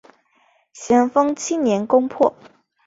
咸丰七年攻破。